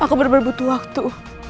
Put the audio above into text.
aku bener bener butuh waktu